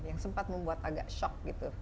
yang sempat membuat agak shock gitu